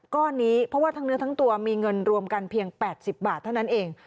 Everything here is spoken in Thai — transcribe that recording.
ก้อนนี้เพราะว่าทั้งเนื้อทั้งตัวมีเงินรวมกันเพียง๘๐บาทเท่านั้นเอง